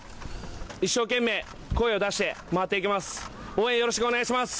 一生懸命声を出して回っていきます。